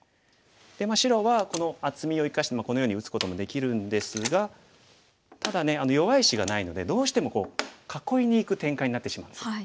白はこの厚みを生かしてこのように打つこともできるんですがただね弱い石がないのでどうしても囲いにいく展開になってしまうんです。